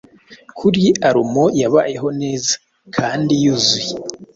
Kuri alomo yabayeho neza, kandi yuzuye